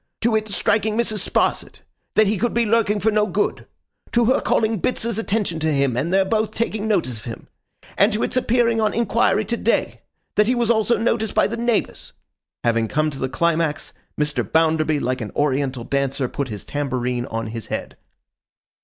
—To its striking Mrs. Sparsit—that he could be lurking for no good—To her calling Bitzer's attention to him, and their both taking notice of him—And to its appearing on inquiry to day—that he was also noticed by the neighbours?' Having come to the climax, Mr. Bounderby, like an oriental dancer, put his tambourine on his head.